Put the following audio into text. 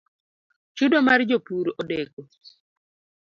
Chudo mar jopur odeko